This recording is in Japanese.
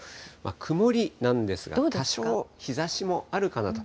曇りなんですが、多少、日ざしもあるかなと。